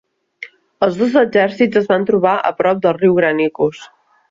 Els dos exèrcits es van trobar a prop del riu Granicus.